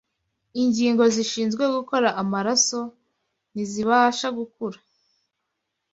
Ingingo zishinzwe gukora amaraso ntizibasha gukura